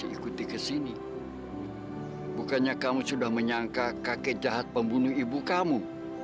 ikuti kesini bukannya kamu sudah menyangka kakek jahat pembunuh ibu kamu